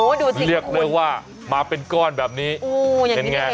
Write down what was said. โอ้ดูสิเรียกเลยว่ามาเป็นก้อนแบบนี้อู้อย่างนี้เอง